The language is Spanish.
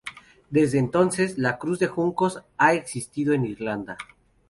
Desde entonces, la cruz de juncos ha existido en Irlanda.